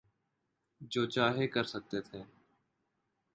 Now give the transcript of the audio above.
جو چاہے کر سکتے تھے۔